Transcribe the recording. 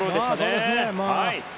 そうですね。